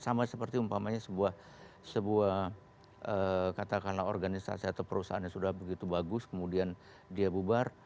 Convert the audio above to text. sama seperti umpamanya sebuah katakanlah organisasi atau perusahaan yang sudah begitu bagus kemudian dia bubar